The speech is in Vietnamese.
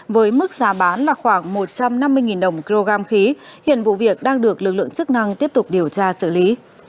với mức giá bán là khoảng một trăm năm mươi đồng kg khí hiện vụ việc đang được lực lượng chức năng tiếp tục điều tra xử lý